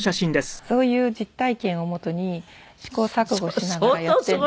そういう実体験をもとに試行錯誤しながらやってる。